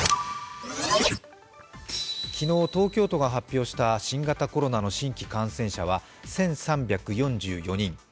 昨日、東京都が発表した新型コロナの新規感染者は１３４４人。